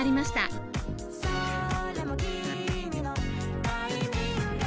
「それも君の“タイミング”」